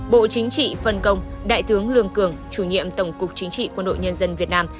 bộ chính trị phân công đại tướng lương cường chủ nhiệm tổng cục chính trị quân đội nhân dân việt nam